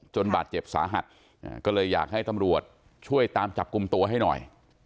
บาดเจ็บสาหัสก็เลยอยากให้ตำรวจช่วยตามจับกลุ่มตัวให้หน่อย